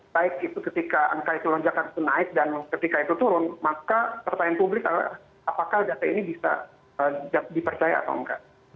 baik itu ketika angka itu lonjakan itu naik dan ketika itu turun maka pertanyaan publik adalah apakah data ini bisa dipercaya atau enggak